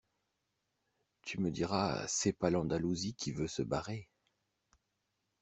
Tu me diras c’est pas l’Andalousie qui veut se barrer